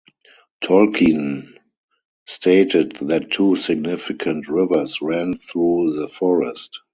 Tolkien stated that two significant rivers ran through the forest.